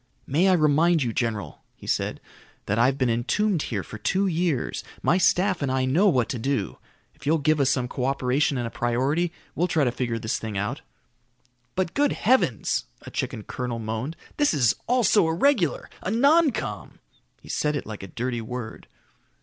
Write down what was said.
"May I remind you, general," he said, "that I've been entombed here for two years. My staff and I know what to do. If you'll give us some co operation and a priority, we'll try to figure this thing out." "But good heavens," a chicken colonel moaned, "this is all so irregular. A noncom!" He said it like a dirty word.